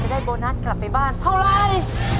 ได้โบนัสกลับไปบ้านเท่าไร